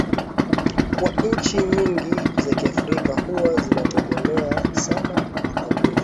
kuwa nchi nyingi za kiafrika huwa zinategemea sana makabila